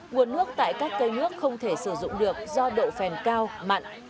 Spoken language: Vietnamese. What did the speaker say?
nguồn nước tại các cây nước không thể sử dụng được do độ phèn cao mặn